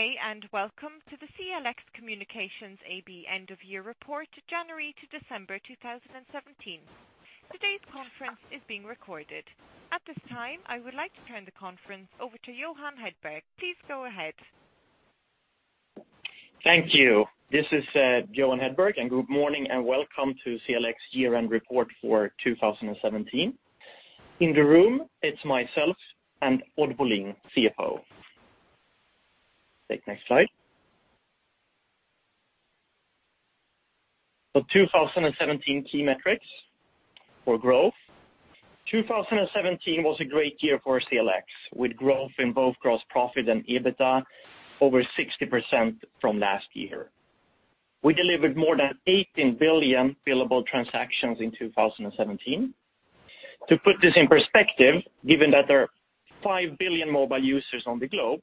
Good day and welcome to the CLX Communications AB end of year report, January to December 2017. Today's conference is being recorded. At this time, I would like to turn the conference over to Johan Hedberg. Please go ahead. Thank you. This is Johan Hedberg, and good morning and welcome to CLX year-end report for 2017. In the room it's myself and Odd Bolin, CFO. Take next slide. The 2017 key metrics for growth. 2017 was a great year for CLX, with growth in both gross profit and EBITDA, over 60% from last year. We delivered more than 18 billion billable transactions in 2017. To put this in perspective, given that there are 5 billion mobile users on the globe,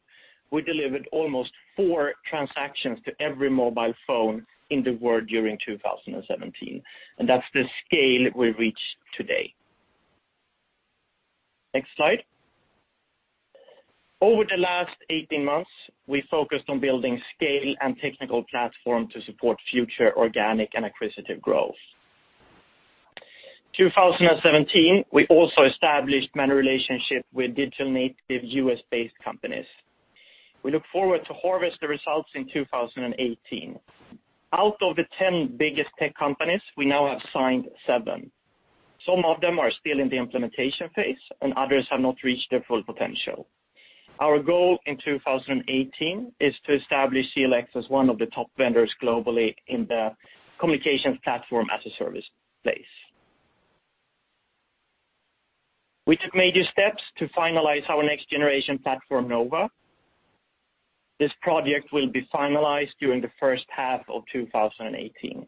we delivered almost four transactions to every mobile phone in the world during 2017. That's the scale we've reached today. Next slide. Over the last 18 months, we focused on building scale and technical platform to support future organic and acquisitive growth. 2017, we also established many relationships with digital native U.S.-based companies. We look forward to harvest the results in 2018. Out of the 10 biggest tech companies, we now have signed seven. Some of them are still in the implementation phase, and others have not reached their full potential. Our goal in 2018 is to establish CLX as one of the top vendors globally in the Communications Platform as a Service place. We took major steps to finalize our next generation platform, Nova. This project will be finalized during the first half of 2018.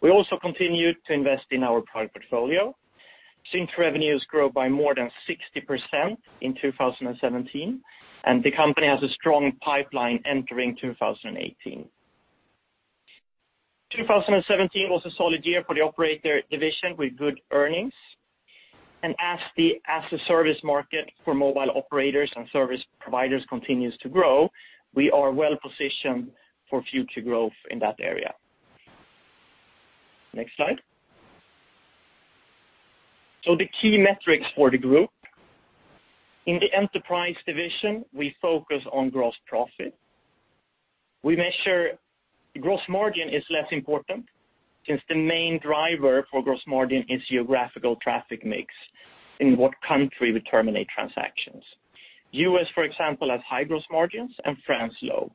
We also continued to invest in our product portfolio. Sinch revenues grow by more than 60% in 2017, and the company has a strong pipeline entering 2018. 2017 was a solid year for the Operator Division with good earnings. As the service market for mobile operators and service providers continues to grow, we are well-positioned for future growth in that area. Next slide. The key metrics for the group. In the Enterprise Division, we focus on gross profit. We measure gross margin is less important, since the main driver for gross margin is geographical traffic mix, in what country we terminate transactions. U.S., for example, has high gross margins, and France, low.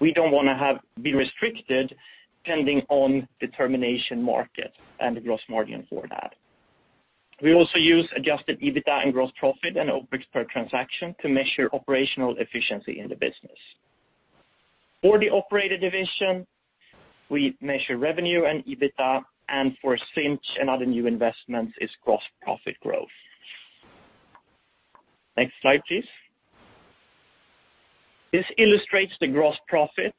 We don't want to be restricted depending on the termination market and the gross margin for that. We also use adjusted EBITDA and gross profit and OpEx per transaction to measure operational efficiency in the business. For the Operator Division, we measure revenue and EBITDA, and for Sinch and other new investments, it's gross profit growth. Next slide, please. This illustrates the gross profit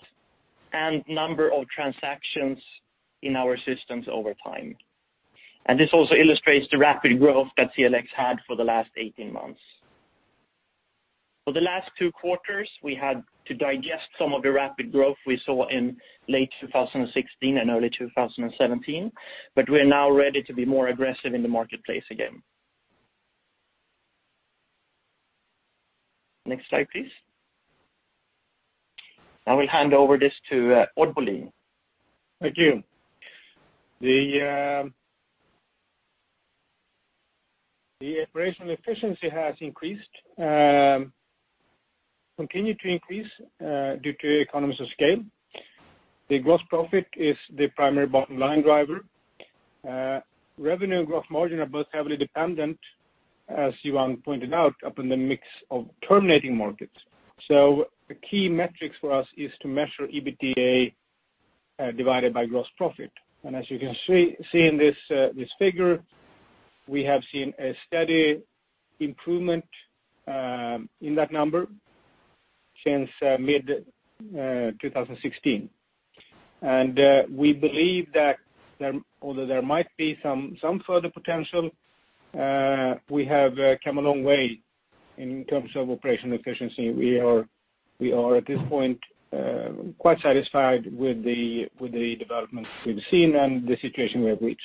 and number of transactions in our systems over time. This also illustrates the rapid growth that CLX had for the last 18 months. For the last two quarters, we had to digest some of the rapid growth we saw in late 2016 and early 2017. We're now ready to be more aggressive in the marketplace again. Next slide, please. I'll hand over this to Odd Bolin. Thank you. The operational efficiency has increased, continued to increase due to economies of scale. The gross profit is the primary bottom-line driver. Revenue and gross margin are both heavily dependent, as Johan pointed out, upon the mix of terminating markets. The key metrics for us is to measure EBITDA divided by gross profit. As you can see in this figure, we have seen a steady improvement in that number since mid-2016. We believe that although there might be some further potential, we have come a long way in terms of operational efficiency. We are, at this point, quite satisfied with the developments we've seen and the situation we have reached.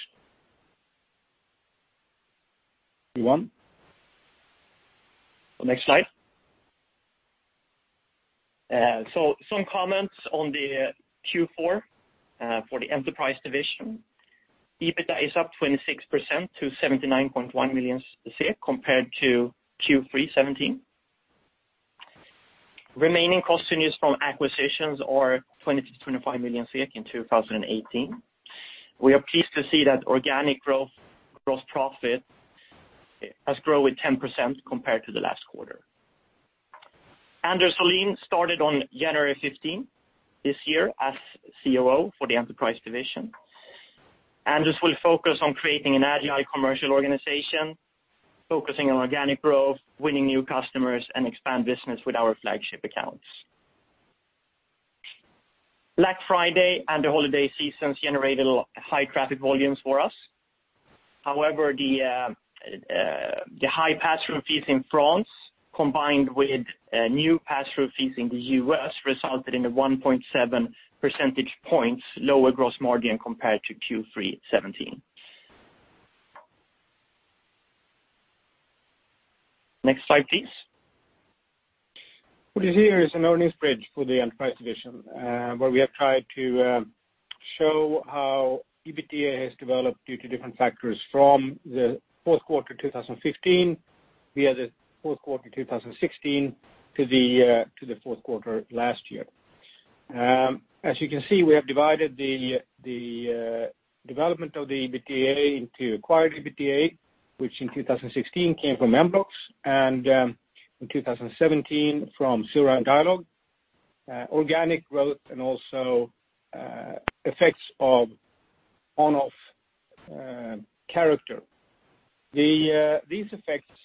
Johan. Next slide. Some comments on the Q4 for the Enterprise Division. EBITDA is up 26% to 79.1 million compared to Q3 2017. Remaining cost synergies from acquisitions are 20 million to 25 million in 2018. We are pleased to see that organic growth, gross profit has grown with 10% compared to the last quarter. Anders Sahlin started on January 15 this year as COO for the Enterprise Division. Anders will focus on creating an agile commercial organization, focusing on organic growth, winning new customers, and expand business with our flagship accounts. Black Friday and the holiday seasons generated high traffic volumes for us. The high pass-through fees in France, combined with new pass-through fees in the U.S., resulted in a 1.7 percentage points lower gross margin compared to Q3 2017. Next slide, please. What is here is an earnings bridge for the Enterprise Division, where we have tried to show how EBITDA has developed due to different factors from the fourth quarter 2015, via the fourth quarter 2016, to the fourth quarter last year. As you can see, we have divided the development of the EBITDA into acquired EBITDA, which in 2016 came from Mblox, and in 2017 from Xura and Dialogue, organic growth, and also effects of one-off character. These effects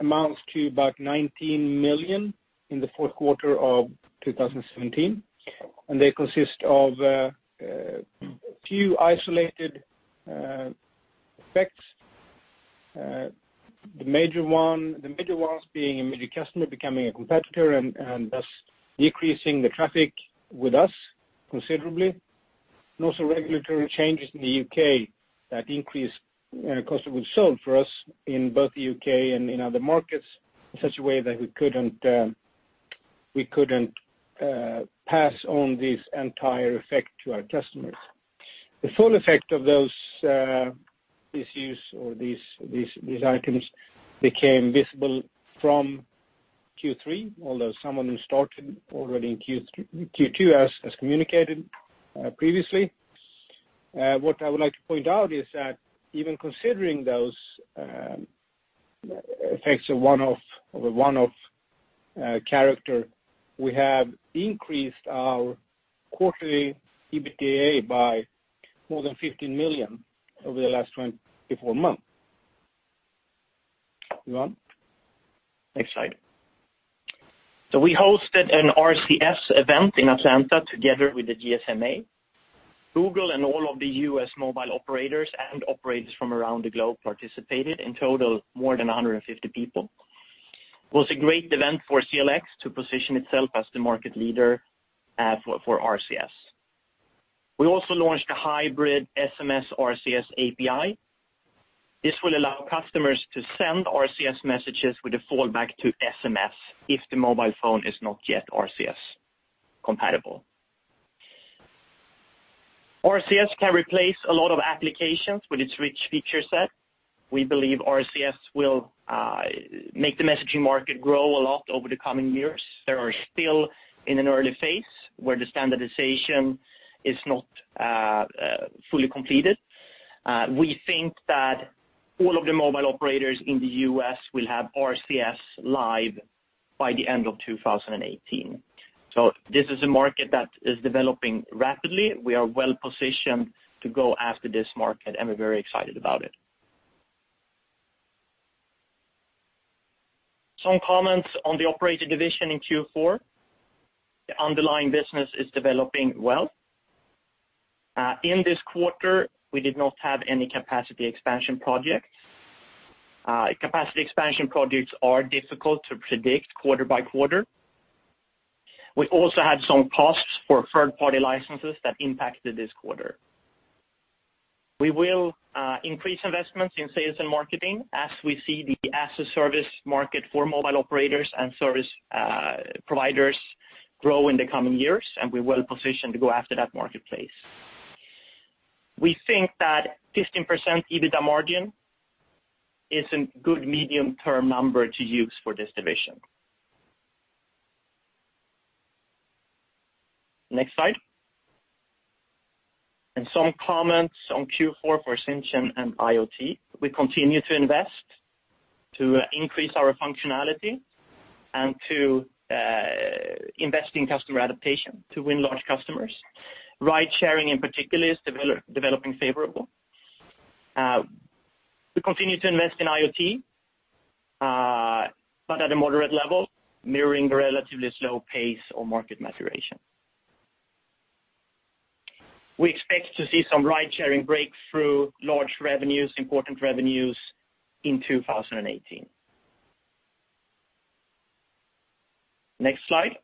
amount to about 19 million in the fourth quarter of 2017, and they consist of a few isolated effects. The major ones being a major customer becoming a competitor and thus decreasing the traffic with us considerably, and also regulatory changes in the U.K. that increased cost of goods sold for us in both the U.K. and in other markets in such a way that we couldn't pass on this entire effect to our customers. The full effect of these issues or these items became visible from Q3, although some of them started already in Q2, as communicated previously. What I would like to point out is that even considering those effects of a one-off character, we have increased our quarterly EBITDA by more than 15 million over the last 24 months. Johan? Next slide. We hosted an RCS event in Atlanta together with the GSMA. Google and all of the U.S. mobile operators, and operators from around the globe participated. In total, more than 150 people. It was a great event for CLX to position itself as the market leader for RCS. We also launched a hybrid SMS RCS API. This will allow customers to send RCS messages with a fallback to SMS if the mobile phone is not yet RCS compatible. RCS can replace a lot of applications with its rich feature set. We believe RCS will make the messaging market grow a lot over the coming years. They are still in an early phase, where the standardization is not fully completed. We think that all of the mobile operators in the U.S. will have RCS live by the end of 2018. This is a market that is developing rapidly. We are well positioned to go after this market, and we're very excited about it. Some comments on the Operator Division in Q4. The underlying business is developing well. In this quarter, we did not have any capacity expansion projects. Capacity expansion projects are difficult to predict quarter by quarter. We also had some costs for third-party licenses that impacted this quarter. We will increase investments in sales and marketing as we see the as-a-service market for mobile operators and service providers grow in the coming years, and we're well positioned to go after that marketplace. We think that 15% EBITDA margin is a good medium-term number to use for this division. Next slide. Some comments on Q4 for Sinch and IoT. We continue to invest to increase our functionality and to invest in customer adaptation to win large customers. Ridesharing in particular is developing favorably. We continue to invest in IoT, but at a moderate level, mirroring the relatively slow pace of market maturation. We expect to see some ridesharing breakthrough large revenues, important revenues, in 2018. Next slide.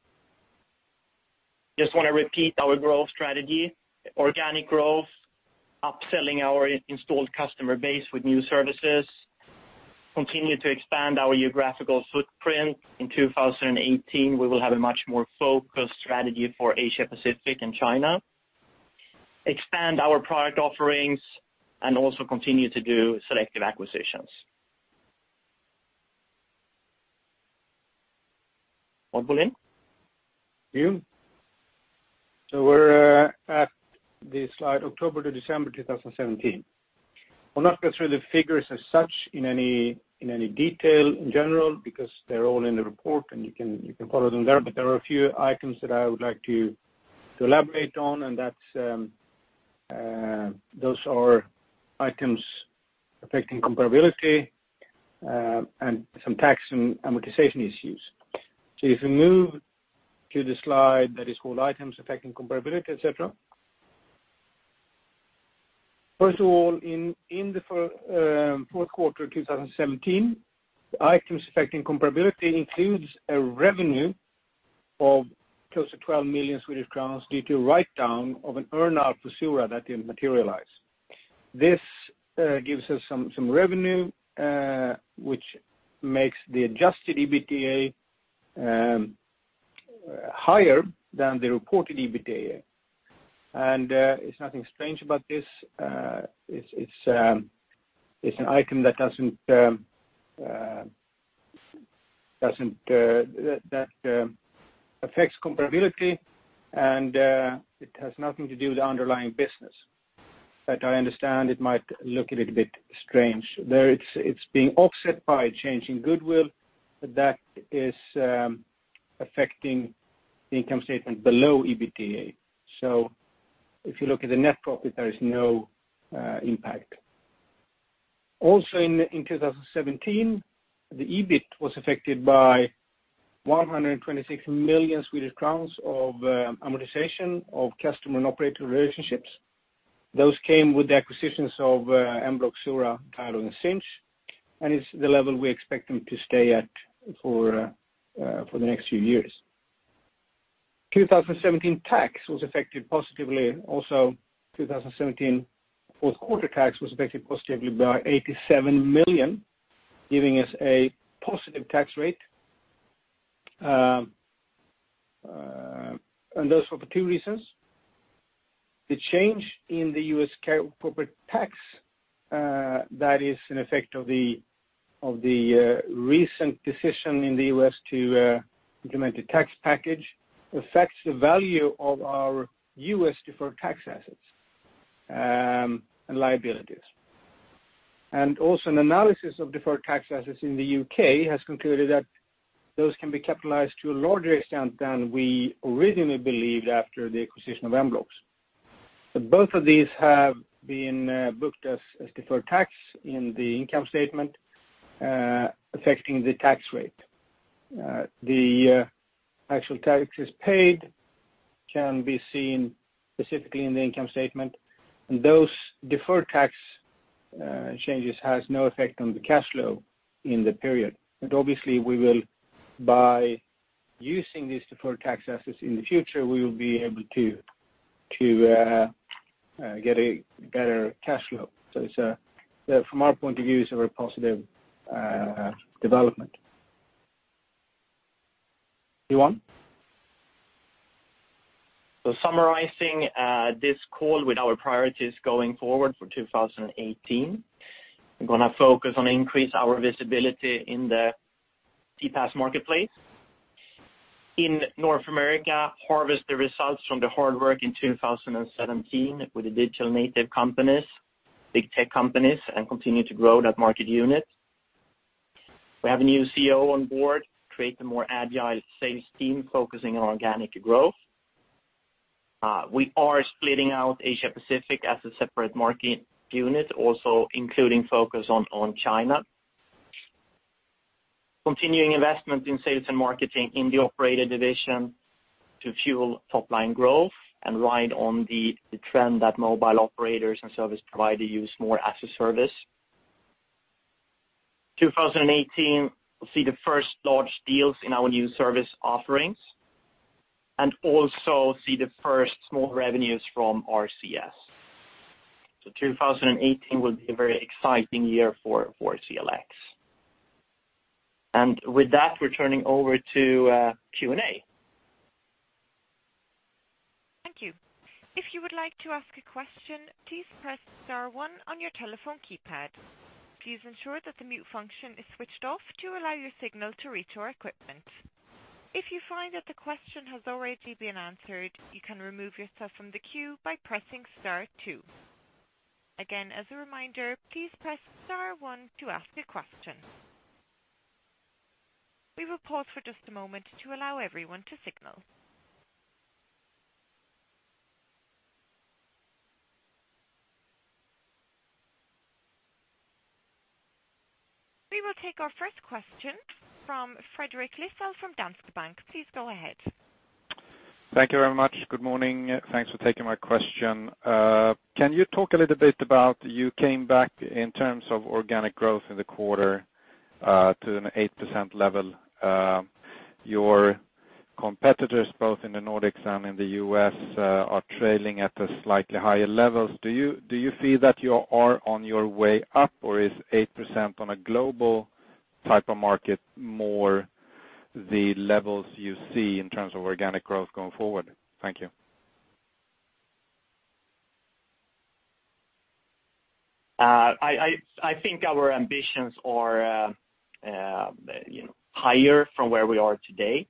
Just want to repeat our growth strategy. Organic growth, upselling our installed customer base with new services, continue to expand our geographical footprint. In 2018, we will have a much more focused strategy for Asia-Pacific and China. Expand our product offerings, and also continue to do selective acquisitions. Odd Bolin? Thank you. We're at slide October to December 2017. I'll not go through the figures as such in any detail in general, because they're all in the report, and you can follow them there. There are a few items that I would like to elaborate on, those are items affecting comparability and some tax and amortization issues. If we move to the slide that is called items affecting comparability, et cetera. First of all, in the fourth quarter 2017, the items affecting comparability includes a revenue of close to 12 million Swedish crowns due to write-down of an earn-out for Xura that didn't materialize. This gives us some revenue, which makes the adjusted EBITDA higher than the reported EBITDA. There's nothing strange about this. It's an item that affects comparability, and it has nothing to do with the underlying business. I understand it might look a little bit strange. There it's being offset by a change in goodwill, that is affecting the income statement below EBITDA. If you look at the net profit, there is no impact. Also in 2017, the EBIT was affected by 126 million Swedish crowns of amortization of customer and operator relationships. Those came with the acquisitions of Mblox, Xura, Dialogue, and Sinch, and it's the level we expect them to stay at for the next few years. 2017 tax was affected positively. Also, 2017 fourth quarter tax was affected positively by 87 million, giving us a positive tax rate. Those were for two reasons. The change in the U.S. corporate tax, that is an effect of the recent decision in the U.S. to implement a tax package, affects the value of our U.S. deferred tax assets and liabilities. Also an analysis of deferred tax assets in the U.K. has concluded that those can be capitalized to a larger extent than we originally believed after the acquisition of Mblox. Both of these have been booked as deferred tax in the income statement, affecting the tax rate. The actual taxes paid can be seen specifically in the income statement. Those deferred tax changes has no effect on the cash flow in the period. Obviously by using these deferred tax assets in the future, we will be able to get a better cash flow. From our point of view, it's a very positive development. Johan? Summarizing this call with our priorities going forward for 2018, we're going to focus on increase our visibility in the CPaaS marketplace. In North America, harvest the results from the hard work in 2017 with the digital native companies, big tech companies, and continue to grow that market unit. We have a new COO on board, create a more agile sales team focusing on organic growth. We are splitting out Asia Pacific as a separate market unit, also including focus on China. Continuing investment in sales and marketing in the Operator Division to fuel top-line growth and ride on the trend that mobile operators and service provider use more as a service. 2018 will see the first large deals in our new service offerings, and also see the first small revenues from RCS. 2018 will be a very exciting year for CLX. With that, we're turning over to Q&A. Thank you. If you would like to ask a question, please press star one on your telephone keypad. Please ensure that the mute function is switched off to allow your signal to reach our equipment. If you find that the question has already been answered, you can remove yourself from the queue by pressing star two. Again, as a reminder, please press star one to ask a question. We will pause for just a moment to allow everyone to signal. We will take our first question from Fredrik Lissell from Danske Bank. Please go ahead. Thank you very much. Good morning. Thanks for taking my question. Can you talk a little bit about, you came back in terms of organic growth in the quarter to an 8% level. Your competitors, both in the Nordics and in the U.S., are trailing at slightly higher levels. Do you feel that you are on your way up, or is 8% on a global type of market more the levels you see in terms of organic growth going forward? Thank you. I think our ambitions are higher from where we are today.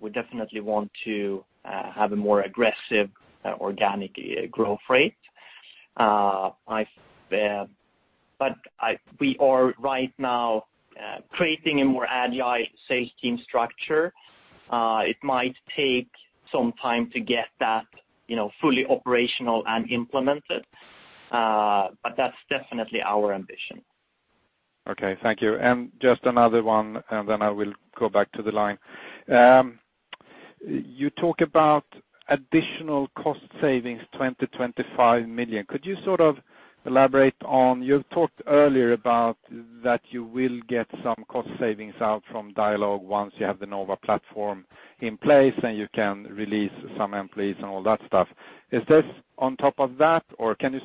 We definitely want to have a more aggressive organic growth rate. We are right now creating a more agile sales team structure. It might take some time to get that fully operational and implemented, but that's definitely our ambition. Okay, thank you. Just another one, then I will go back to the line. You talk about additional cost savings, 20 million-25 million. Could you elaborate on, you've talked earlier about that you will get some cost savings out from Dialogue once you have the Nova platform in place, and you can release some employees and all that stuff. Is this on top of that, or can you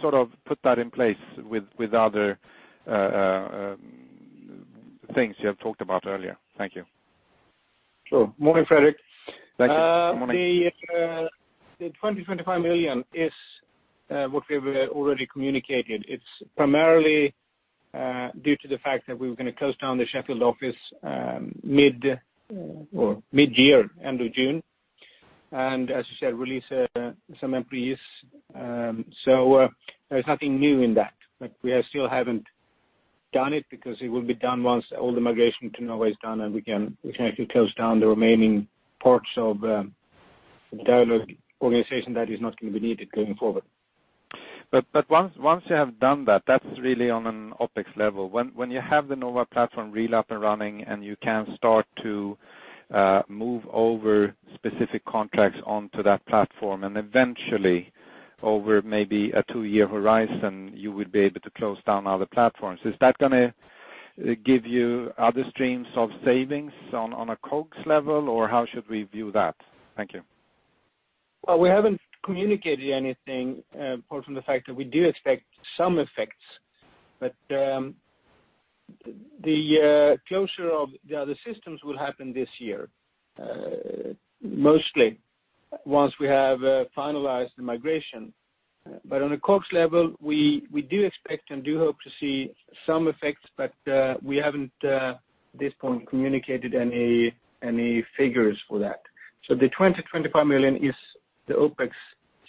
put that in place with other things you have talked about earlier? Thank you. Sure. Morning, Fredrik. Thank you. Morning. The 20 million-25 million is what we have already communicated. It's primarily due to the fact that we were going to close down the Sheffield office mid-year, end of June, and as you said, release some employees. There's nothing new in that. We still haven't done it, because it will be done once all the migration to Nova is done, and we can actually close down the remaining parts of the Dialogue organization that is not going to be needed going forward. Once you have done that's really on an OpEx level. When you have the Nova platform really up and running, and you can start to move over specific contracts onto that platform, and eventually over maybe a two-year horizon, you would be able to close down other platforms. Is that going to give you other streams of savings on a COGS level, or how should we view that? Thank you. We haven't communicated anything apart from the fact that we do expect some effects. The closure of the other systems will happen this year, mostly once we have finalized the migration. On a COGS level, we do expect and do hope to see some effects. We haven't, at this point, communicated any figures for that. The 20 million-25 million is the OpEx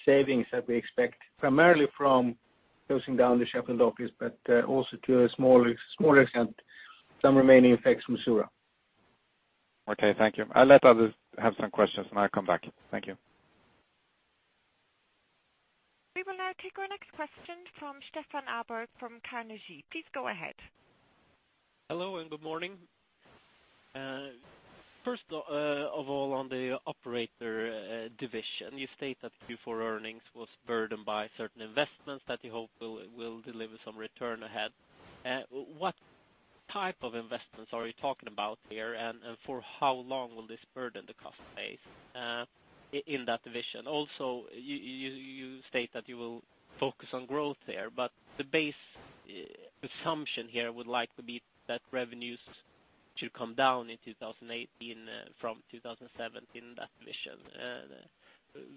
savings that we expect, primarily from closing down the Sheffield office, but also to a smaller extent, some remaining effects from Xura. Thank you. I'll let others have some questions, and I'll come back. Thank you. We will now take our next question from Stefan Åberg from Carnegie. Please go ahead. Hello, and good morning. First of all, on the Operator Division, you state that Q4 earnings was burdened by certain investments that you hope will deliver some return ahead. What type of investments are you talking about here, and for how long will this burden the cost base in that division? Also, you state that you will focus on growth there, the base assumption here would like to be that revenues should come down in 2018 from 2017 in that division.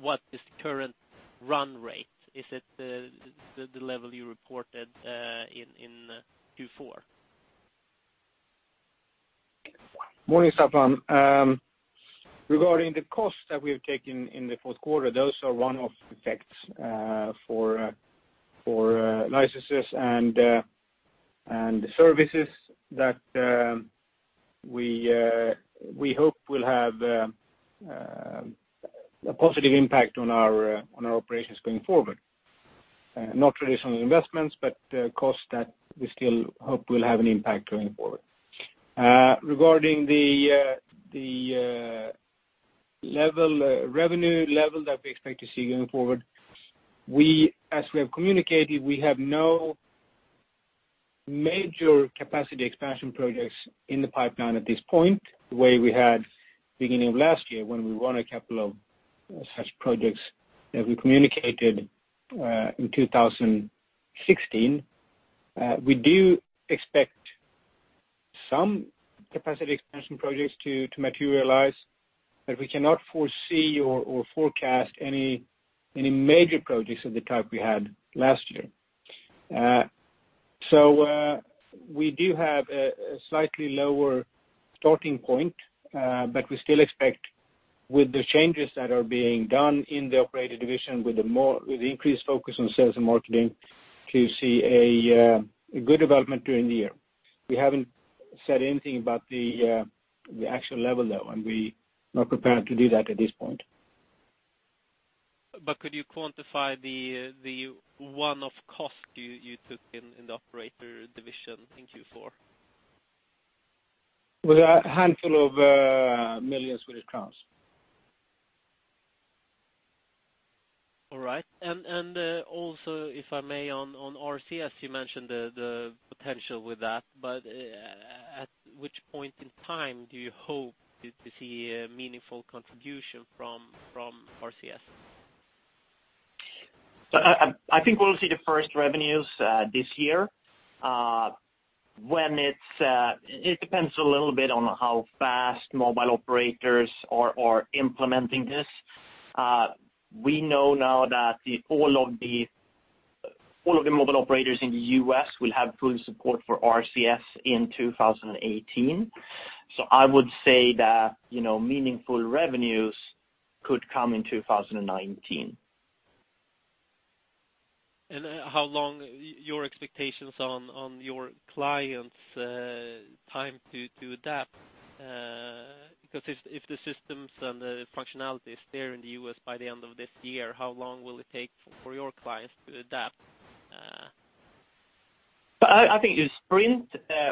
What is the current run rate? Is it the level you reported in Q4? Morning, Stefan. Regarding the cost that we've taken in the fourth quarter, those are one-off effects for licenses and services that we hope will have a positive impact on our operations going forward. Not traditional investments, costs that we still hope will have an impact going forward. Regarding the revenue level that we expect to see going forward, as we have communicated, we have no major capacity expansion projects in the pipeline at this point, the way we had beginning of last year when we won a couple of such projects that we communicated in 2016. We do expect some capacity expansion projects to materialize, we cannot foresee or forecast any major projects of the type we had last year. We do have a slightly lower starting point, we still expect with the changes that are being done in the Operator Division, with increased focus on sales and marketing, to see a good development during the year. We haven't said anything about the actual level, though, and we're not prepared to do that at this point. Could you quantify the one-off cost you took in the Operator Division in Q4? With a handful of millions of SEK. All right. Also, if I may, on RCS, you mentioned the potential with that, but at which point in time do you hope to see a meaningful contribution from RCS? I think we'll see the first revenues this year. It depends a little bit on how fast mobile operators are implementing this. We know now that all of the mobile operators in the U.S. will have full support for RCS in 2018. I would say that meaningful revenues could come in 2019. How long your expectations on your clients' time to adapt? Because if the systems and the functionality is there in the U.S. by the end of this year, how long will it take for your clients to adapt? I think Sprint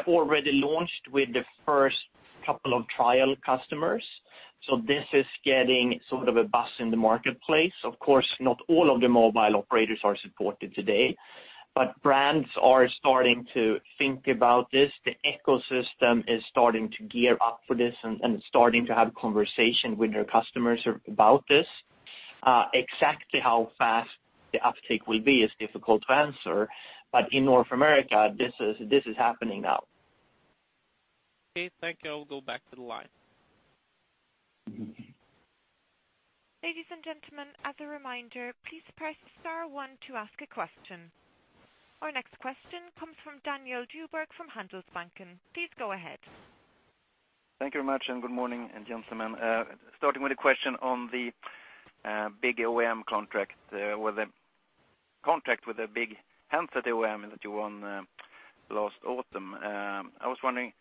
already launched with the first couple of trial customers. This is getting sort of a buzz in the marketplace. Of course, not all of the mobile operators are supported today, but brands are starting to think about this. The ecosystem is starting to gear up for this and starting to have conversation with their customers about this. Exactly how fast the uptake will be is difficult to answer, but in North America, this is happening now. Okay, thank you. I'll go back to the line. Ladies and gentlemen, as a reminder, please press star one to ask a question. Our next question comes from Daniel Djurberg from Handelsbanken. Please go ahead. Thank you very much, and good morning, gentlemen. Starting with a question on the big OEM contract, with a contract with a big handset OEM that you won last autumn. I was wondering,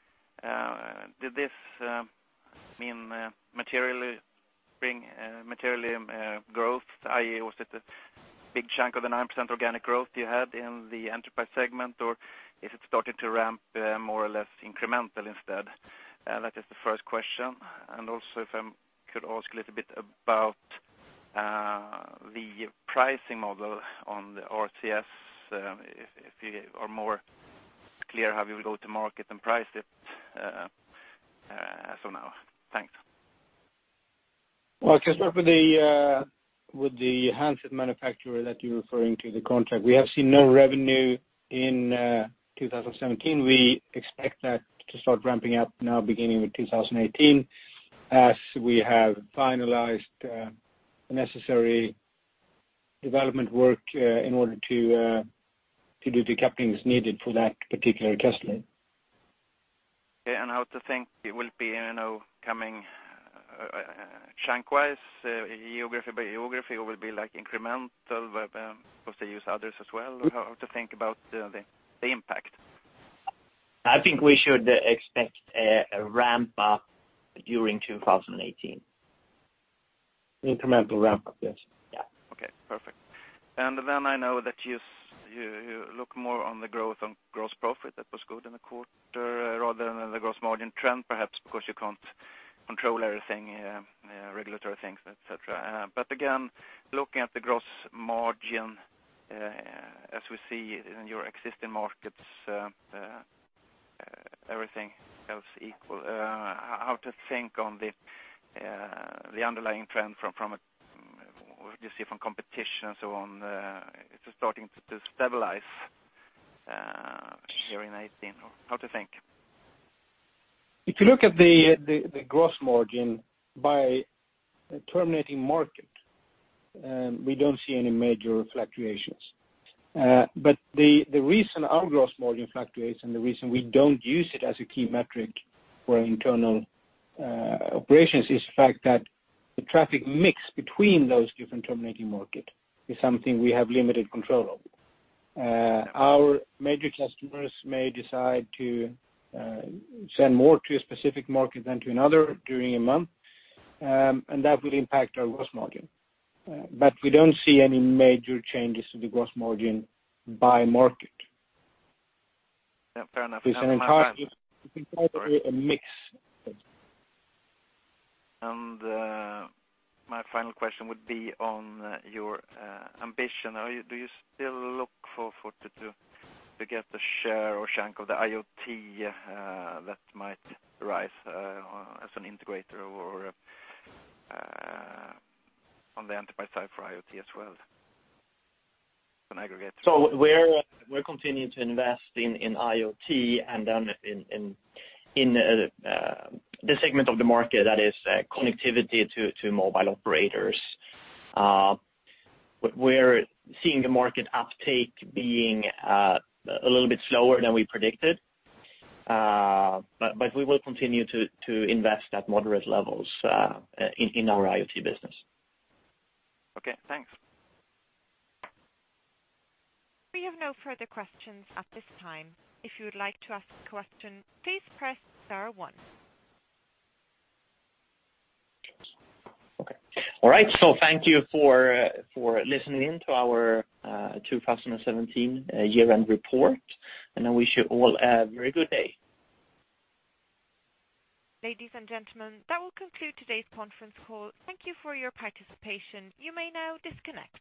did this mean material growth, i.e., was it a big chunk of the 9% organic growth you had in the enterprise segment? Or is it starting to ramp more or less incremental instead? That is the first question. Also, if I could ask a little bit about the pricing model on the RCS, if you are more clear how you will go to market and price it so now. Thanks. Well, to start with the handset manufacturer that you are referring to the contract. We have seen no revenue in 2017. We expect that to start ramping up now, beginning with 2018, as we have finalized the necessary development work in order to do the couplings needed for that particular customer. Okay, how to think it will be coming chunk-wise, geography by geography, or will it be incremental, of course, they use others as well. How to think about the impact? I think we should expect a ramp-up during 2018. Incremental ramp-up, yes. Yeah. Okay, perfect. I know that you look more on the growth on gross profit that was good in the quarter rather than the gross margin trend, perhaps because you can't control everything, regulatory things, et cetera. Again, looking at the gross margin, as we see in your existing markets, everything else equal, how to think on the underlying trend from what you see from competition and so on, it is starting to stabilize here in 2018, or how to think? If you look at the gross margin by terminating market, we don't see any major fluctuations. The reason our gross margin fluctuates and the reason we don't use it as a key metric for our internal operations is the fact that the traffic mix between those different terminating market is something we have limited control over. Our major customers may decide to send more to a specific market than to another during a month, and that will impact our gross margin. We don't see any major changes to the gross margin by market. Yeah, fair enough. It's entirely a mix. My final question would be on your ambition. Do you still look for to get the share or chunk of the IoT that might rise as an integrator or on the enterprise side for IoT as well, on aggregate? We're continuing to invest in IoT and then in the segment of the market that is connectivity to mobile operators. We're seeing the market uptake being a little bit slower than we predicted. We will continue to invest at moderate levels in our IoT business. Okay, thanks. We have no further questions at this time. If you would like to ask a question, please press star one. Okay. All right. Thank you for listening in to our 2017 year-end report, and I wish you all a very good day. Ladies and gentlemen, that will conclude today's conference call. Thank you for your participation. You may now disconnect.